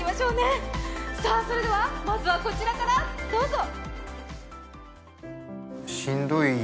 それではまずはこちらからどうぞ。